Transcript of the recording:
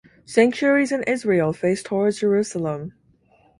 Sanctuaries in Israel face towards Jerusalem.